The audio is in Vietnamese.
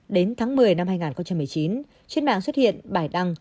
đến tháng một mươi năm hai nghìn một mươi chín trên mạng xuất hiện bài đăng